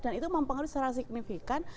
dan itu mempengaruhi secara signifikan